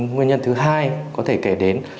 nguyên nhân thứ hai có thể kể đến